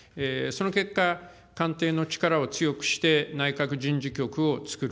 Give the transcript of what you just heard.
その結果、官邸の力を強くして、内閣人事局を作る。